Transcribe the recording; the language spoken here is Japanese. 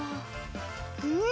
うん！